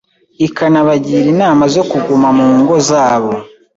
ikanabagira inama zo kuguma mu ngo zabo